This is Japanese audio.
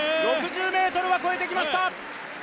６０ｍは越えてきました。